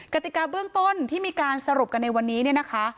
กติกาเบื้องต้นที่มีการสรุปกันในวันนี้เนี่ยนะคะ